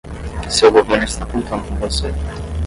Seu governo está contando com você.